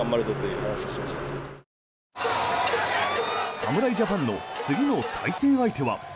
侍ジャパンの次の対戦相手は。